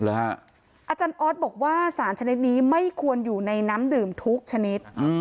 อาจารย์ออสบอกว่าสารชนิดนี้ไม่ควรอยู่ในน้ำดื่มทุกชนิด